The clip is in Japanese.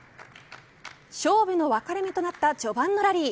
勝負のわかれ目となった序盤のラリー。